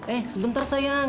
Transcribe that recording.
eh sebentar sayang